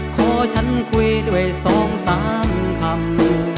ขอฉันคุยด้วย๒๓คำ